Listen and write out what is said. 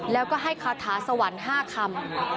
แล้วก็ให้คาถาสวรรค์๕คำ